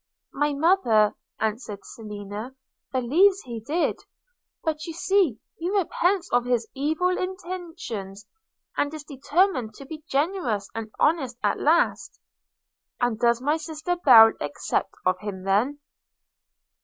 'My mother,' answered Selina, 'believes he did: – but you see he repents of his evil intentions, and is determined to be generous and honest at last.' 'And does my sister Belle accept of him then?'